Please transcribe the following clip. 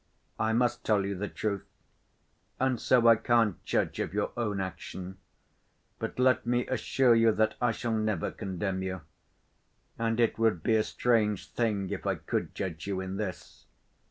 I must tell you the truth. And so I can't judge of your own action. But let me assure you that I shall never condemn you. And it would be a strange thing if I could judge you in this.